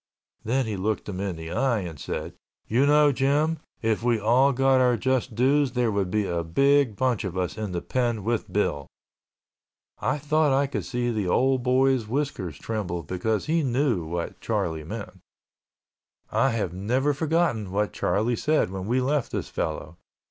Then he looked him in the eye and said, "You know, Jim, if we all got our just dues, there would be a big bunch of us in the pen with Bill." I thought I could see the old boy's whiskers tremble because he knew what Charlie meant. I have never forgotten what Charlie said when we left this fellow.